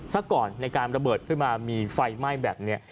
ซะก่อนในการระเบิดขึ้นมามีไฟไหม้แบบนี้